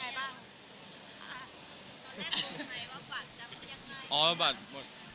ตอนแรกบอกไงว่าบัตรจะพยายามมาก